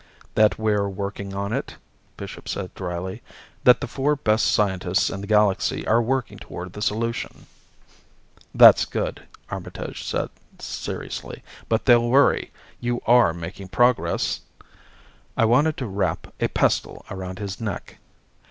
"That we're working on it," Bishop said dryly. "That the four best scientists in the Galaxy are working toward the solution." "That's good," Armitage said seriously. "But they'll worry. You are making progress?" I wanted to wrap a pestle around his neck.